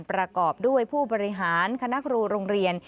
ประกอบด้วยผู้บริหารคณะครูโรงเรียน